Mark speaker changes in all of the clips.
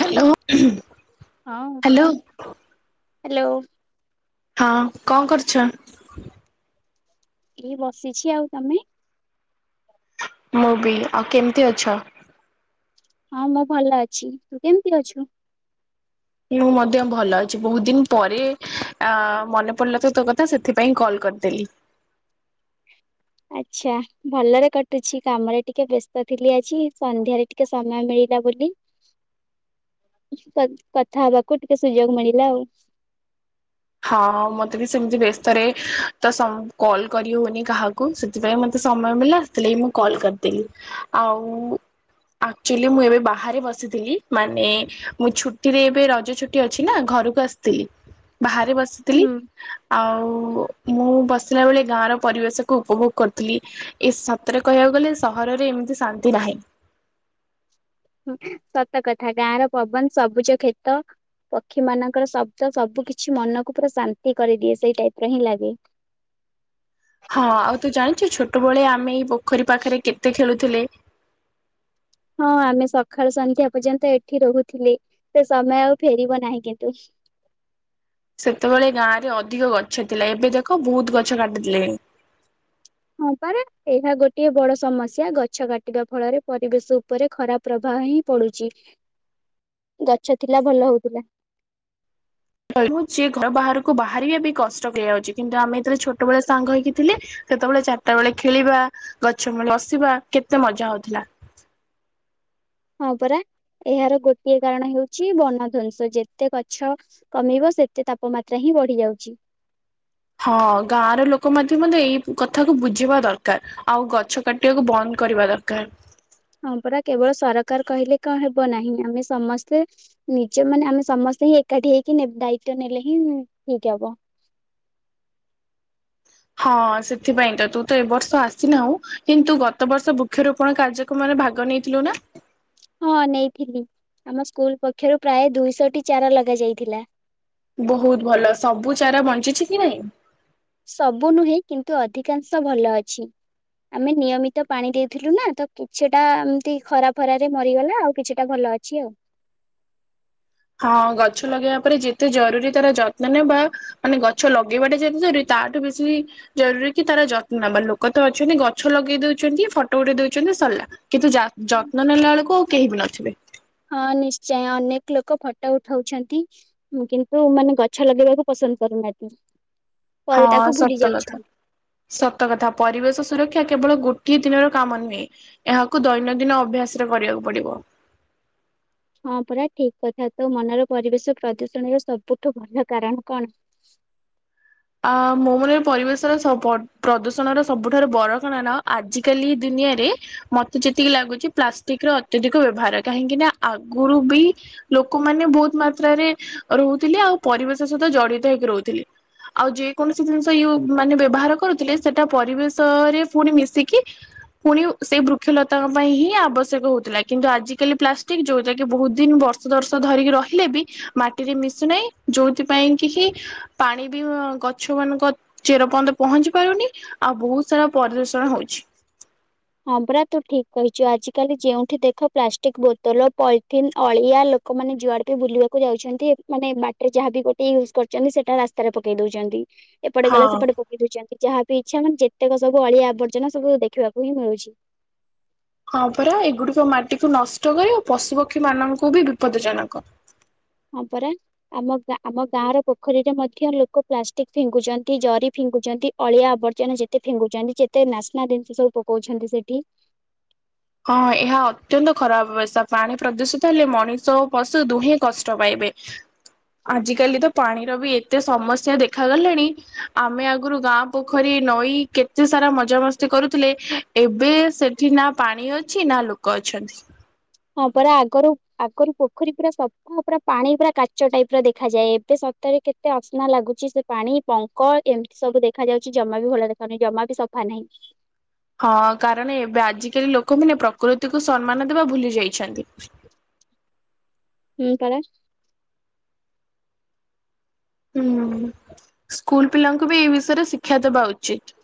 Speaker 1: Hello. ହୁଁ।
Speaker 2: ହଁ hello.
Speaker 1: ହଁ କଣ କରୁଛ?
Speaker 2: ଏଇ ବସିଛି ଆଉ ତମେ?
Speaker 1: ମୁଁ ବି ଆଉ କେମିତି ଅଛ?
Speaker 2: ହଁ ମୁଁ ଭଲ ଅଛି ତୁ କେମିତି ଅଛୁ?
Speaker 1: ମୁଁ ମଧ୍ୟ ଭଲ ଅଛି ବହୁତ ଦିନ ପରେ ଅ ମନେ ପଡିଲା ତ ତୋ କଥା ସେଥିପାଇଁ କଲ୍ କରିଦେଲି।
Speaker 2: ଆଚ୍ଛା ଭଲରେ କଟୁଛି କାମରେ ଟିକେ ବ୍ୟସ୍ତ ଥିଲି ଆଜି ସନ୍ଧ୍ୟାରେ ଟିକେ ସମୟ ମିଳିଲା ବୋଲି କତ୍ କଥା ହବାକୁ ଟିକେ ସୁଯୋଗ ମିଳିଲା ଆଉ।
Speaker 1: ହଁ ମତେ ବି ସେମିତି ବ୍ୟସ୍ତରେ ତ ସମ୍ କଲ୍ କରି ହଉନି କାହାକୁ ସେଥିପାଇଁ ମତେ ସମୟ ମିଳିଲା ସେଥିଲାଗି ମୁଁ କଲ୍ କରିଦେଲି ଆଉ ଆକ୍ଚୁଆଲି ମୁଁ ଏବେ ବାହାରେ ବସିଥିଲି ମାନେ ମୁଁ ଛୁଟିରେ ଏବେ ରଜ ଛୁ ଟି ଅଛି ନା ଘରକୁ ଆସିଥିଲି। ବାହାରେ ବସିଥିଲି
Speaker 2: ହୁଁ
Speaker 1: ଆଉ ମୁଁ ବସିଲା ବେଳେ ଗାଁ ର ପରିବେଶ କୁ ଉପଭୋଗ କରୁଥିଲି। ଏ ସତରେ କହିବାକୁ ଗଲେ ସହରରେ ଏମିତି ଶାନ୍ତି ନାହିଁ।
Speaker 2: ହୁଁ ସତ କଥା ଗାଁ ର ପବନ ସବୁଜ କ୍ଷେତ ପକ୍ଷୀ ମାନଙ୍କର ଶବ୍ଦ ସବୁ କିଛି ମନକୁ ପୁରା ଶାନ୍ତି କରିଦିଏ ସେଇ ଟାଇପ୍ ରେ ହିଁ ଲାଗେ।
Speaker 1: ହଁ ଆଉ ତୁ ଜାଣିଛୁ ଛୋଟବେଳେ ଆମେ ଏଇ ପୋଖରୀ ପାଖରେ କେତେ ଖେଳୁଥିଲେ।
Speaker 2: ହଁ ଆମେ ସକାଳୁ ସନ୍ଧ୍ୟା ପର୍ଯ୍ୟନ୍ତ ଏଠି ରହୁଥିଲେ ସେ ସମୟ ଆଉ ଫେରିବ ନାହିଁ କିନ୍ତୁ।
Speaker 1: ସେତେବେଳେ ଗାଁ ରେ ଅଧିକ ଗଛ ଥିଲା ଏବେ ଦେଖ ବହୁତ ଗଛ କାଟି ଦେଲେଣି।
Speaker 2: ହଁ ପାରା ଏହା ଗୋଟିଏ ବଡ଼ ସମସ୍ୟା ଗଛ କାଟିବା ଫଳରେ ପରିବେଶ ଉପରେ ଖରାପ୍ ପ୍ରଭାବ ହିଁ ପଡ଼ୁଛି। ଗଛ ଥିଲା ଭଲ ହଉଥିଲା।
Speaker 1: ଯିଏ ଘର ବାହାରକୁ ବାହାରିବା ବି କଷ୍ଟ ହେଇଯାଉଚି କିନ୍ତୁ ଆମେ ଏଥିରେ ଛୋଟବେଳେ ଆ ସାଙ୍ଗ ହେଇକି ଥିଲେ ସେତେବେଳେ ଚାରିଟା ବେଳେ ଖେଳିବା, ଗଛ ମୂଳେ ବସିବା, କେତେ ମଜା ହଉଥିଲା।
Speaker 2: ହଁ ପରା, ଏହାର ଗୋଟିଏ କାରଣ ହେଉଚି ବନଧ୍ବଂସ, ଯେତେ ଗଛ କମିବ, ସେତେ ତାପମାତ୍ରା ହିଁ ବଢି ଯାଉଚି।
Speaker 1: ହଁ ଗାଁ ର ଲୋକ [unintelligible] ଏଇ କଥାକୁ ବୁଝିବା ଦରକାର୍। ଆଉ ଗଛ କାଟିବାକୁ ବନ୍ଦ କରିବା ଦରକାର୍।
Speaker 2: ହଁ ପରା କେବଳ ସରକାର କହିଲେ କଣ ହେବ ନାହିଁ, ଆମେ ସମସ୍ତେ ନିଜେ ମାନେ ଆମେ ସମସ୍ତେ ହିଁ ଏକାଠି ହେଇକି ଦାୟିତ୍ୱ ନେଲେ ହିଁ ଠିକ୍ ହବ।
Speaker 1: ହଁ ସେଥିପାଇଁ ତ, ତୁ ତ ଏ ବର୍ଷ ଆସିନାହୁଁ କିନ୍ତୁ ଗତ ବର୍ଷ ବୃ ବୃକ୍ଷରୋପଣ କାର୍ଯ୍ୟକ୍ରମରେ ଭାଗ ନେଇଥିଲୁ ନା?
Speaker 2: ହଁ ନେଇଥିଲି, ଆମ ସ୍କୁଲ ପକ୍ଷରୁ ପ୍ରାୟ ଦୁଇଶଟି ଚାରା ଲଗା ଯାଇଥିଲା।
Speaker 1: ବହୁତ ଭଲ, ସବୁ ଚାରା ବଞ୍ଚିଛି କି ନାଇଁ?
Speaker 2: ସବୁ ନୁହେଁ କିନ୍ତୁ ଅଧିକାଂଶ ଭଲ ଅଛି। ଆମେ ନିୟମିତ ପାଣି ଦେଇଥିଲୁ ନା, ତ କିଛିଟା ଏମତି ଖରା ଫରାରେ ମରିଗଲା ଆଉ କିଛିଟା ଭଲ ଅଛି ଆଉ।
Speaker 1: ହଁ ଗଛ ଲଗେଇବା ପରେ ଯେତେ ଜରୁରୀ ତାର ଯତ୍ନ ନେବା ମାନେ ଗଛ ଲଗେଇବାଟେ ଯେତେଜରୁରୀ ତାଠୁ ବେଶୀ ଜରୁରୀ କି ତାର ଯତ୍ନ ନେବା, ଲୋକ ତ ଅଛନ୍ତି ଗଛ ଲଗେଇ ଦଉଚନ୍ତି, ଫଟୋ ଗୋଟେ ଦଉଚନ୍ତି ସରିଲା। କିନ୍ତୁଯ ଯତ୍ନ ନେଲା ବେଳକୁ ଆଉ କେହି ବି ନଥିବେ?
Speaker 2: ହଁ ନିଶ୍ଚୟ, ଅନେକ ଲୋକ ଫଟୋ ଉଠାଉଛନ୍ତି। କିନ୍ତୁ ମାନେ ଗଛ ଲଗେଇବାକୁ ପସନ୍ଦ କରୁନାହାନ୍ତି, ପରେ
Speaker 1: ହଁ
Speaker 2: ତାକୁ ଭୁଲି
Speaker 1: ସତ କଥା।
Speaker 2: ଯାଉଛନ୍ତି।
Speaker 1: ସତ କଥା, ପରିବେଶ ସୁରକ୍ଷା କେବଳ ଗୋଟିଏ ଦିନର କାମ ନୁହେଁ। ଏହାକୁ ଦୈନନ୍ଦିନ ଅଭ୍ୟାସ ରେ କରିବାକୁ ପଡିବ।
Speaker 2: ହଁ ପୁରା ଠିକ୍ କଥା, ତୋ ମନର ପରିବେଶ ପ୍ରଦୂଷଣର ସବୁଠୁ ଭଲ କାରଣ କଣ?
Speaker 1: ଆ ମୋ ମନରେ ପରିବେଶର [unintelligible] ପ୍ରଦୂଷଣର ସବୁଠାରୁ ବଡ଼ କାରଣ, ଆଜିକାଲି ଦୁନିଆରେ ମତେ ଯେତିକି ଲାଗୁଚି ପ୍ଲାଷ୍ଟିକ୍ ର ଅତ୍ୟଧିକ ବ୍ୟବହାର, କାହିଁକି ନା ଆଗୁରୁ ବି ଲୋକମାନେ ବହୁତ୍ ମାତ୍ରାରେ ରହୁଥିଲେ, ଆଉ ପରିବେଶ ସହିତ ଜଡିତ ହେଇକି ରହୁଥିଲେ। ଆଉ ଯେକୌଣସି ଜିନିଷ ମାନେ ବ୍ୟବହାର କରୁଥିଲେ, ସେଟା ପରିବେଶରେ ପୁଣି ମିଶିକି ପୁଣି ସେଇ ବୃକ୍ଷଲତାଙ୍କ ପାଇଁ ହିଁ ଆବଶ୍ୟକ ହଉଥିଲା, କିନ୍ତୁ ଆଜିିକାଲି ପ୍ଲାଷ୍ଟିକ୍ ଯୋଉଟା କି ବହୁତ ଦିନି ବର୍ଷ ବର୍ଷ ବର୍ଷ ଧରିକି ରହିଲେ ବି, ମାଟିରେ ମିଶୁନାହିଁ, ଯୋଉଥିପାଇଁ କି ହି ପାଣି ବି ଗଛ ମାନଙ୍କ ଚେର ପର୍ଯ୍ୟନ୍ତ ପହଞ୍ଚି ପାରୁନି ଆଉ ବହୁତ ସାରା ପରିଦୂଷଣ ହଉଛି।
Speaker 2: ହଁ ପରା ତୁ ଠିକ କହିଛୁ, ଆଜିକାଲି ଯେଉଁଠି ଦେଖ ପ୍ଲାଷ୍ଟିକ ବୋତଲ, ପଲିଥିନ୍ ଅଳିଆ ଲୋ ଲୋକମାନେ ଯୁଆଡେ ବି ବୁଲିବାକୁ ଯାଉଚନ୍ତି, ମାନେ ବାଟରେ ଯାହାବି ଗୋଟେ ୟୁଜ କରୁଚନ୍ତି, ସେଟା ରାସ୍ତାରେ ପକେଇ ଦଉଚନ୍ତି। ଏପଟେ ଗଲେ
Speaker 1: ହଁ।
Speaker 2: ସେପଟେ ପକେଇ ଦଉଚନ୍ତି, ଯାହା ବିି ଇଛା ମାନେ ଯେତେକ ସବୁ ଅଳିଆ ଆବର୍ଜନା ସବୁ ଦେଖିବାକୁ ହିଁ ମିଳୁଚି।
Speaker 1: ହଁ ପରା ଏଗୁଡିକ ମାଟିକୁୁ ନଷ୍ଟ କରିବ ଆଉ ପଶୁ ପକ୍ଷୀ ମାନଙ୍କୁ ବି ବିପଦ ଜନକ।
Speaker 2: ହଁ ପରା। ଆମ ଆମ ଗାଁ ର ପୋଖରୀରେ ମଧ୍ୟ ଲୋକ ପ୍ଲାଷ୍ଟିକ୍ ଫିଙ୍ଗୁଚନ୍ତି, ଜରି ଫିଙ୍ଗୁଚନ୍ତି। ଅଳିଆ ଆବର୍ଜନା ଯେତେ ଫିଙ୍ଗୁଚନ୍ତି, ଯେତେ ନାସ୍ନା ଜିନିଷ ସବୁ ପକଉଚନ୍ତି ସେଠି।
Speaker 1: ହଁ ଏହା ଅତ୍ୟନ୍ତ ଖରାପ ବ୍ୟବସ୍ଥା, ପାଣି ପ୍ରଦୂଷିତ ହେଲେ ମଣିଷ ଓ ପଶୁ ଦୁହେଁ କଷ୍ଟ ପାଇବେ। ଆଜିକାଲି ତ ପାଣିର ବି ଏତେ ସମସ୍ୟା ଦେଖାଗଲାଣି ଆମେ ଆଗରୁ ଗାଁ ପୋଖରୀ, ନଈ କେତେ ସାରା ମଜାମସ୍ତି କରୁଥିଲେ ଏବେ ସେଠି ନା ପାଣି ଅଛି ନା ଲୋକ ଅଛନ୍ତି?
Speaker 2: ହଁ ପରା ଆଗରୁ, ଆଗରୁ ପୋଖରୀ ପୁରା ସଫ୍ ହଁ ପୁରା ପାଣି ପୁରା କାଚ ଟାଇପ୍ ର ଦେଖାଯାଏ। ଏବେ ସତ ରେ କେତେ ଅସ୍ନା ଲାଗୁଚି ସେ ପାଣି। ପଙ୍କ, ଏମିତି ସବୁ ଦେଖା ଯାଉଚି, ଜମା ବି ଭଲ ଦେଖାଯାଉନାହିଁ, ଜମା ବି ସଫା ନାହିଁ।
Speaker 1: ହଁ କାରଣ ଏବେ ଆଜିକାଲି ଲୋକମାନେ ପ୍ରକୃତିକୁ ସମ୍ମାନ ଦେବା ଭୁଲି ଯାଇଛନ୍ତି।
Speaker 2: ହୁଁ [unintelligible]
Speaker 1: ହୁଁ, ସ୍କୁଲ୍ ପିଲାଙ୍କୁ ବି ଏଇ ବିଷୟରେ ଶିକ୍ଷା ଦବା ଉଚିତ୍।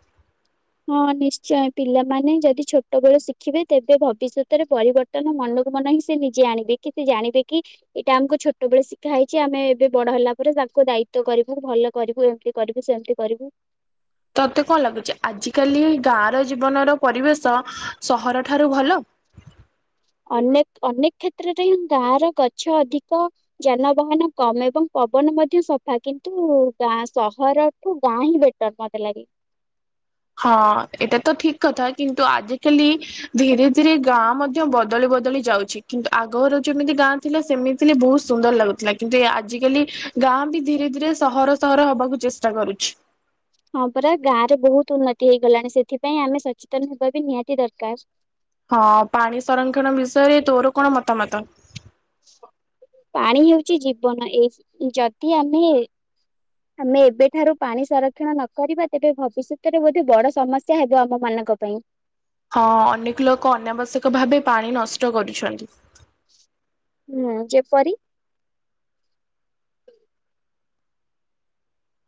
Speaker 2: ହଁ ନିଶ୍ଚଁୟ ପିଲାମାନେ ଯଦି ଛୋଟବେଳ ଶିଖିବେ ତେବେ ଭବିଷ୍ୟତରେ ପରିବର୍ତ୍ତ ର୍ତ୍ତନ ମନକୁ ମନ ହିଁ ସେ ନିଜେ ଆଣିବେ, କି ସେ ଜାଣିବେ କି ଏଇଟା ଆମକୁ ଛୋଟବେଳେ ଶିଖା ହେଇଛି ଆମେ ଏବେ ବଡ଼ ହେଲା ପରେ ତାକୁ ଦାୟିତ୍ବ କରିବୁ ଭଲ କରିବୁ ଏମିତି କରିବୁ ସେମିତି କରିବୁ।
Speaker 1: ତତେ କଣ ଲାଗୁଚି ଆଜିକାଲି ଗାଁର ଜୀବନର ପରିବେଶ ସହର ଠାରୁ ଭଲ?
Speaker 2: ଅନେକ ଅନେକ କ୍ଷେତ୍ରରେ ହିଁ ଗାଁର ଗଛ ଅଧିକ। ଯାନବାହାନ କମ୍ ଏବଂ ପବନ ମଧ୍ୟ ସଫା କିନ୍ତୁ ଗାଁ ସହର ଠୁ ଗାଁ ହିଁ ବେଟର୍ ମତେ ଲାଗେ।
Speaker 1: ହଁ ଏଟା ତ ଠିକ୍ କଥା କିନ୍ତୁ ଆଜିକାଲି ଧୀରେ ଧୀରେ ଗାଁ ମଧ୍ୟ ବଦଳି ବଦଳି ଯାଉଛି କିନ୍ତୁ ଆଗହରୁ ଯେମିତି ଗାଁ ଥିଲା ସେମିତି ଥିଲେ ବହୁତ ସୁନ୍ଦର ଲାଗୁଥିଲା କିନ୍ତୁ ଏ ଆଜିକାଲି ଗାଁ ବି ଧୀରେ ଧୀରେ ସହର ସହର ହବାକୁ ଚେଷ୍ ଷ୍ଟା କରୁଛି।
Speaker 2: ହଁ ପରା ଗାଁରେ ବହୁତ ଉନ୍ନତି ହେଇଗଲାଣି ସେଥିପାଇଁ ଆମେ ସଚେତନ ହେବାବି ନିହାତି ଦରକାର।
Speaker 1: ହଁ ପାଣି ସଂରକ୍ଷଣ ବିଷୟରେ ତୋର କଣ ମତାମତ?
Speaker 2: ପାଣି ହେଉଛି ଜୀବନ, ଏଇ ଯଦି ଆମେ ଆମେ ଏବେଠାରୁ ପାଣି ସଂରକ୍ଷଣ ନ କରିବା ତେବେ ଭବିଷ୍ୟତରେ ବୋଧେ ବଡ଼ ସମ ସ୍ୟା ହେବ ଆମ ମାନଙ୍କ ପାଇଁ।
Speaker 1: ହଁ ଅନେକ ଲୋକ ଅନାବଶ୍ୟକ ଭାବେ ପାଣି ନଷ୍ଟ କରୁଛନ୍ତି।
Speaker 2: ହୁଁ ଯେପରି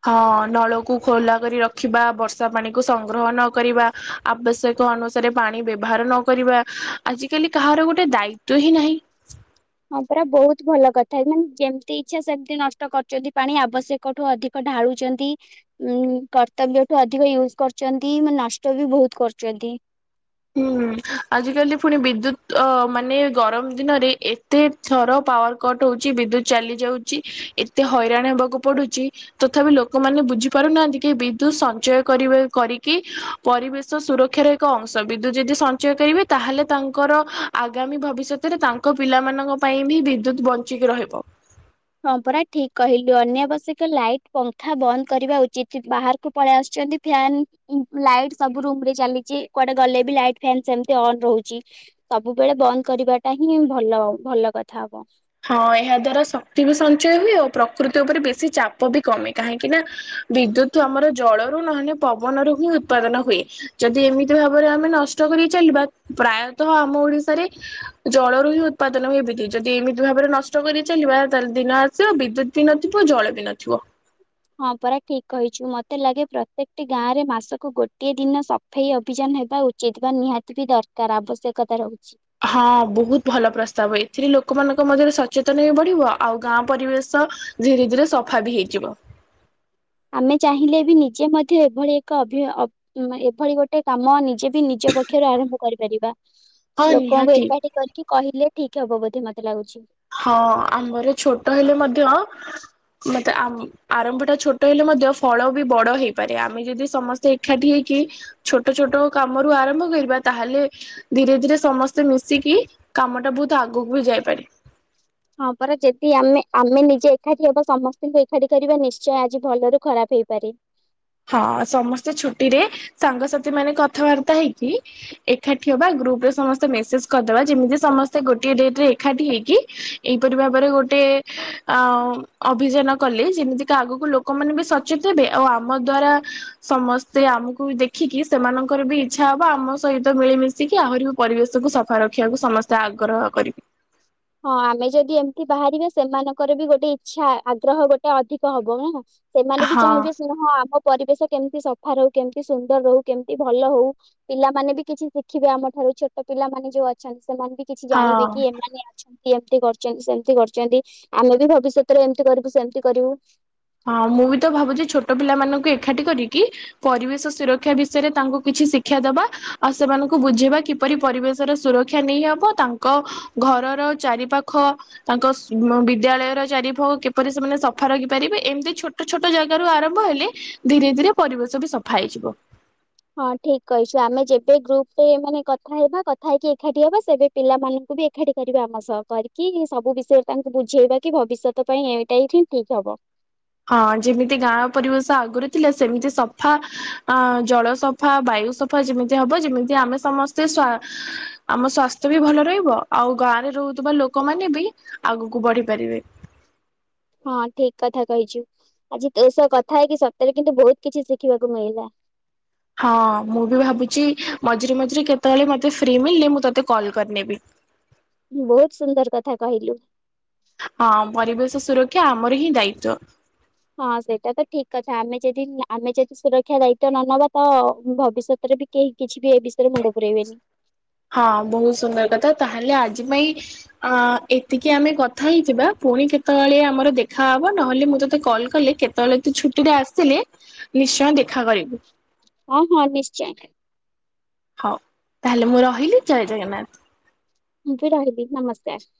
Speaker 1: ହଁ ନଳକୁ ଖୋଲା କରି ରଖିବା, ବର୍ଷାପାଣିକୁ ସଂଗ୍ରହ ନ କରିବା। ଆବଶ୍ୟକ ଅନୁସାରେ ପାଣି ବ୍ୟବହାର ନ କରିବା, ଆଜିକାଲି କାହାର ଗୋଟେ ଦାୟିତ୍ବ ହିଁ ନାହିଁ।
Speaker 2: ହଁ ପରା ବହୁତ ଭଲ କଥା ଏମାନେ ଯେମତି ଇଚ୍ଛା ସେମତି ନଷ୍ଟ କରୁଚନ୍ତି ପାଣି ଆବଶ୍ୟକଠୁ ଅଧି କ ଢାଳୁଚନ୍ତି। ଉଁ କର୍ତ୍ତବ୍ୟଠୁ ଅଧିକ ୟୁଜ୍ କରୁଚନ୍ତି ମାନେ ନଷ୍ଟ ବି ବହୁତ କରୁଚନ୍ତି।
Speaker 1: ହୁଁ ଆଜିକାଲି ଫୁଣି ବିଦ୍ୟୁତ୍ ଅ ମାନେ ଗରମ ଦିନରେ ଏ ତେ ଥର ପାୱାର କଟ୍ ହଉଚି ବିଦ୍ୟୁତ୍ ଚାଲି ଯାଉଚି ଏତେ ହଇରାଣ ହେବାକୁ ପଡୁଚି ତଥାବି ଲୋକମାନେ ବୁଝି ପାରୁନାହାନ୍ତି କି ବିଦ୍ୟୁତ୍ ସଞ୍ଚୟ କରିବେ କରିକି ପରିବେଶ ସୁରକ୍ଷାର ଏକ ଅଂଶ ଶ ବିଦ୍ୟୁତ୍ ଯଦି ସଞ୍ଚୟ କରିବେ ତାହାଲେ ତାଙ୍କର ଆଗାମୀ ଭବିଷ୍ୟତରେ ତାଙ୍କ ପିଲାମାନଙ୍କ ପାଇଁ ବି ବିଦ୍ୟୁତ୍ ବଞ୍ଚିକି ରହିବ।
Speaker 2: ହଁ ପରା ଠିକ୍ କହିଲୁ, ଅନ୍ୟାବଶ୍ୟକ ଲାଇଟ୍ ପଙ୍ଖା ବନ୍ଦ କରିବା ଉଚିତ୍ ବାହାରକୁ ପଳେଇ ଆସୁଚନ୍ତି ଫ୍ୟାନ୍ ଉଁ ଲାଇଟ୍ ସବୁ ରୁମରେ ଚାଲିଚି, କୁଆଡେ ଗଲେ ବି ଲାଇଟ୍ ଫ୍ୟାନ୍ ସେମତି ଅନ୍ ରହୁଚି। ସବୁବେଳେ ବନ୍ଦ କରିବାଟା ହିଁ ଭଲ, ଭଲ କଥା ହବ।
Speaker 1: ହଁ ଏହା ଦ୍ଵାରା ଶକ୍ତି ବି ସଞ୍ଚୟ ହୁଏ ଓ ପ୍ରକୃତି ଉପରେ ବେଶୀ ଚାପ ବି କମେ, କାହିଁକି ନା ବିଦ୍ୟୁତ୍ ଆମର ଜଳରୁ ନହନେ ପବନରୁ ହିଁ ଉତ୍ପାଦନ ହୁଏ। ଯଦି ଏମିତି ଭାବରେ ଆମେ ନଷ୍ଟ କରି ଚାଲିବା ପ୍ରାୟତଃ ଆମ ଓଡିଶାରେ ଜଳରୁ ହିଁ ଉତ୍ପାଦନ ହୁଏ ବିଦ୍ୟୁତ୍ ଯଦି ଏମି ତି ଭାବରେ ନଷ୍ଟ କରି ଚାଲିବା ତାହାଲେ ଦିନ ଆସିବ ବିଦ୍ୟୁତ୍ ବି ନଥିବ ଜଳ ବି ନଥିବ।
Speaker 2: ହଁ ପରା ଠିକ୍ କହିଚୁ ମତେ ଲାଗେ ପ୍ରତ୍ୟେକଟି ଗାଁରେ ମାସକୁ ଗୋଟିଏ ଦିନ ସ ଫେଇ ଅଭିଯାନ ହେବା ଉଚିତ୍ ବା ନିହାତି ବି ଦରକାର ଆବଶ୍ୟକତା ରହୁଚି।
Speaker 1: ହଁ ବହୁତ ଭଲ ପ୍ରସ୍ତାବ ଏଥିରେ ଲୋକମାନଙ୍କ ମଧ୍ୟରେ ସଚେତନ ବି ବଢ଼ିବ ଆଉ ଗାଁ ପରିବେଶ ଧୀରେ ଧୀରେ ସଫା ବି ହେଇଯିବ।
Speaker 2: ଆମେ ଚାହିଁଲେ ବି ନିଜେ ମଧ୍ୟ ଏଭଳି ଏକ ଅଭି ଅ ଅକ୍ ଉଁ ମା ଏଭଳି ଗୋଟେ କାମ ନିଜେ ବି ନିଜ ପକ୍ଷରୁ ଆରମ୍ଭ କରିପାରିବା।
Speaker 1: ହଁ
Speaker 2: ଲୋକଙ୍କୁ
Speaker 1: ନିହାତି।
Speaker 2: ଏକାଠି କରିକି କହିଲେ ଠିକ୍ ହବ ବୋଧେ ମତେ ଲାଗୁଛି।
Speaker 1: ହଁ ଆମର ଛୋଟ ହେଲେ ମଧ୍ୟ ମତେ ଆମ୍ ଆରମ୍ଭ ଟା ଛୋଟ ହେଲେ ମଧ୍ୟ ଫଳ ବି ବଡ ହେଇପାରେ। ଆମେ ଯେଦି ସମସ୍ତେ ଏକାଠି ହେଇକି ଛୋଟ ଛୋଟ କାମରୁ ଆରମ୍ଭ କରିବା ତାହେଲେ ଧୀରେ ଧୀରେ ସମସ୍ତେ ମିଶିକି କାମ ଟା ବହୁତ୍ ଆଗକୁ ବି ଯାଇପାରେ।
Speaker 2: ହଁ ପରା ଯେଦି ଆମେ ଆମେ ନିଜେ ଏକାଠି ହବା ସମସ୍ତୁଙ୍କୁ ଏକାଠି କରିବା ନିଶ୍ଚୟ ଆଜି ଭଲରୁ ଖରାପ ହେଇପାରେ।
Speaker 1: ହଁ ସମସ୍ତେ ଛୁଟିରେ ସାଙ୍ଗସାଥି ମାନେ କଥାବାର୍ତ୍ତା ହେଇକି ଏଖାଟି ହବା ଆଉ ଗ୍ରୁପ୍ ରେ ସମସ୍ତେ ମେସେଜ୍ କରଦବା ଯେମିତି ସମସ୍ତେ ଗୋଟଏ ଡେଟ୍ ରେ ଏଖାଟି ହେଇକି ଏହିପରି ଭାବରେ ଗୋଟେ ଆ ଉମ୍ ଅଭିଯାନ କଲେ ସେମିତିକା ଆଗୁକୁ ଲୋ କମାନେ ବି ସଚେତ ହେବେ ଆଉ ଆମ ଦ୍ଵାରା ସମସ୍ତେ ଆମୁକୁ ଦେଖିକି ସେମାନଙ୍କର ବି ଇଚ୍ଛା ହବ ଆମ ସହିତ ମିଳିମିଶ୍ ଶିକିି ଆହୁରି ବି ପରିବେଶକୁୁ ସଫା ରଖିଆକୁ ସମସ୍ତେ ଆଗ୍ରହ କରିବେ।
Speaker 2: ହଁ ଆମେ ଯଦି ଏମତି ବାହାରିବା ସେମାନଙ୍କର ବି ଗୋଟେ ଇଚ୍ଛା ଆଗ୍ରହ ଗୋଟେ ଅଧିକ ହବ ନା? ସେମାନେ ବି
Speaker 1: ହଁ
Speaker 2: ଚାହିଁବେ ସେଇରା ହଁ ଆମ ପରିବେଶ କେମତି ସଫା ରହୁ କେମତି ସୁନ୍ଦର୍ ରହୁ କେମତି ଭଲ ହଉ। ପିଲାମାନେ ବି କିଛି ଶିଖିବେ ଆମଠାରୁ ଛୋଟ ପିଲାମାନେ ଯୋଉ ଅଛନ୍ତି ସେମାନେ ବି କିଛି
Speaker 1: ହଁ।
Speaker 2: ଜାଣିବେ କି ଏମାନେ ବି ଏମତି କରଚନ୍ତି ସେମତି କରଚନ୍ତି ଆମେ ବି ଭବିଷ୍ୟତରେ ଏମତି କରିବୁ ସେମତି କରିବୁ।
Speaker 1: ହଁ ମୁଁ ବି ତ ଭାବୁଚି ଛୋଟ ପିଲାମାନଙ୍କୁ ଏଖାଟି କରିକି ପରିବେଶ ସୁରକ୍ଷା ବିଷୟରେ ତାଙ୍କୁ କିଛି ଶିକ୍ଷା ଦବା ଆଉ ସେମାନଙ୍କୁ ବୁଝେଇବା କି ପରି ପରିବେଶର ସୁରକ୍ଷା ନେଇହବ ତାଙ୍କ ଘରର ଚାରିପାଖ ତାଙ୍କ [unintelligible] ବିଦ୍ୟାଳୟର ଚାରି ଫୋଗ କିପରି ସେମାନେ ସଫା ରଖିପାରିବେ ଏମତି ଛୋଟ ଛୋଟ ଜାଗା ରୁ ଆରମ୍ଭ ହେଲେ ଧୀରେ ଧୀରେ ପରିବେଶ ବି ସଫା ହେଇଯିବ।
Speaker 2: ହଁ ଠିକ୍ କହିଛୁ ଆମେ ଯେବେ ଗ୍ରୁପ ରେ ମାନେ କଥା ହେବୁ କଥା ହେଇକି ଏଖାଟି ହବା ସେବେ ପିଲାମାନୁଙ୍କୁ ବି ଏଖାଟି କରିବା ଆମ ସହ କରିକି ସବୁ ବିଷୟରେ ତାଙ୍କୁ ବୁଝେଇବା କି ଭବିଷ୍ୟତ ପାଇଁ ଏଇଟା ହିଁ ଠିକ୍। ଠିକ୍ ହବ।
Speaker 1: ହଁ ଯେମିତି ଗାଁ ପରିବେଶ ଆଗରେ ଥିଲେ ସେମିତି ସଫା ଅଁ ଜଳ ସଫ୍ ହଁ ବାୟୁ ସଫା ଯେମିତି ହବ ଯେମିତି ଆମେ ସମସ୍ତେ ସ୍ୱା ଆମ ସ୍ଵାସ୍ଥ୍ୟ ବି ଭଲ ରହିବ। ଆଉ ଗାଁରେ ରହୁଥିବା ଲୋକମାନେ ବି ଆଗୁକୁ ବଢ଼ି ପାରିବେ।
Speaker 2: ହଁ ଠିକ୍ କଥା କହିଚୁ ଆଜି ତୋ ସହ କଥା ହେଇକି ସତରେ କିନ୍ତୁ ବହୁତ୍ କିଛି ଶିଖିବାକୁ ମିଳିଲା।
Speaker 1: ହଁ ମୁଁ ବି ଭାବୁଚି ମଝିରେ ମଝିରେ କେତେବଳେ ମୋତେ ଫ୍ରି ମଳିଲେ ମୁଁ ତତେ କଲ୍ କରିନେବି।
Speaker 2: ବହୁତ୍ ସୁନ୍ଦର୍ କଥା କହିଲୁ।
Speaker 1: ହଁ ପରିବେଶ ସୁରକ୍ଷା ଆମର ହିଁ ଦାୟିତ୍ଵ।
Speaker 2: ହଁ ସେଇଟା ତ ଠିକ୍ କଥା। ଆମେ ଯେଦି ଆମେ ଯେଦି ସୁରକ୍ଷା ଦାୟିତ୍ୱ ନ ନବା ତ ଭବିଷ୍ୟତ୍ ରେ ବି କେହି କିଛି ବି ଏ ବିଷୟରେ ମୁଣ୍ଡ ପୁରେଇବେନି।
Speaker 1: ହଁ ବହୁତ୍ ସୁନ୍ଦର୍ କଥା ତାହେଲେ ଆଜି ପାଇଁ ଅ ଏତିକି ଆମେ କଥା ହେଇଥିବା ପୁଣି କେତବେଳେ ଆମର ଦେଖାହବ ନହେଲେ ମୁଁ ତୋତେ କଲ୍ କଲେ କେତ୍ ତବେଳେ ତୁ ଛୁଟି ରେ ଆସିଲେ ନିଶ୍ଚୟଁ ଦେଖା କରିବୁ।
Speaker 2: ହଁ ହଁ ନିଶ୍ଚୟେଁ।
Speaker 1: ହଉ ତାହେଲେ ମୁଁ ରହିଲି ଜୟ ଜଗନ୍ନାଥ।
Speaker 2: ମୁଁ ବି ରହିଲି ନମସ୍କାର।